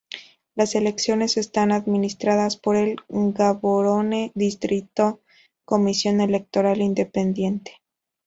Las elecciones están administradas por el Gaborone Distrito Comisión Electoral Independiente.